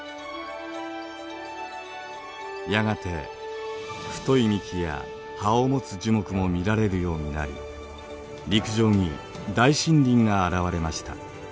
やがて太い幹や葉を持つ樹木も見られるようになり陸上に大森林が現れました。